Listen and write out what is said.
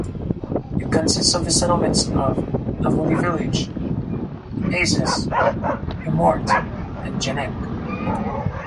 It consists of the settlements of Avully-Village, Epeisses, Eaumorte and Gennec.